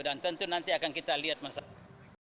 dan tentu nanti akan kita lihat masalah itu